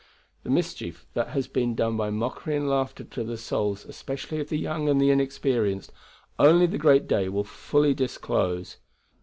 The mischief that has been done by mockery and laughter to the souls, especially of the young and the inexperienced, only the great day will fully disclose.